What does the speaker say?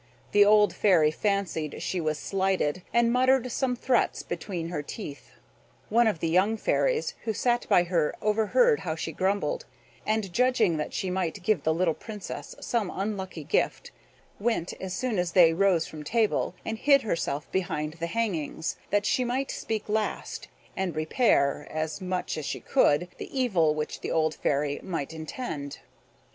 The old Fairy fancied she was slighted, and muttered some threats between her teeth. One of the young fairies who sat by her overheard how she grumbled; and, judging that she might give the little Princess some unlucky gift, went, as soon as they rose from table, and hid herself behind the hangings, that she might speak last, and repair, as much as she could, the evil which the old Fairy might intend.